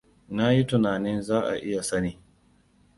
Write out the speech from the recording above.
Na yi tunanin za ka iya sani.